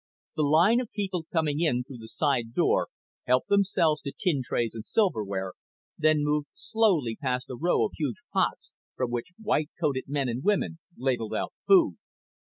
The line of people coming in through the side door helped themselves to tin trays and silverware, then moved slowly past a row of huge pots from which white coated men and women ladled out food.